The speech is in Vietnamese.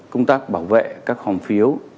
công tác bảo vệ các hòng phiếu